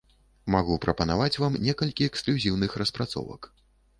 Магу прапанаваць вам некалькі эксклюзіўных распрацовак.